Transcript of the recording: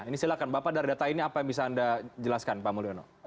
ini silakan bapak dari data ini apa yang bisa anda jelaskan pak mulyono